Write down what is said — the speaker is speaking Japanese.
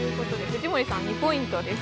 藤森さん、２ポイントです。